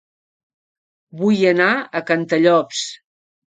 Vull anar a Cantallops